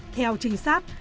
theo trinh sát